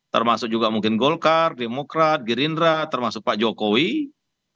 termasuk juga mungkin golkar demokrat girindra termasuk pak jokowi atau para pihak yang lain